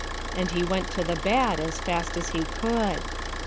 and he went to the bad as fast as he could.